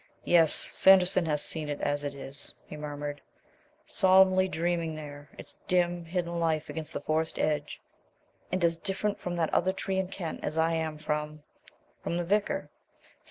"Yes, Sanderson has seen it as it is," he murmured, "solemnly dreaming there its dim hidden life against the Forest edge, and as different from that other tree in Kent as I am from from the vicar, say.